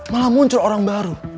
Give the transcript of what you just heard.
malah muncul orang baru